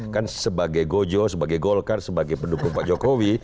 kan sebagai gojo sebagai golkar sebagai pendukung pak jokowi